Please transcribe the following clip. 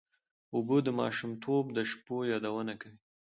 اوبه د ماشومتوب د شپو یادونه کوي.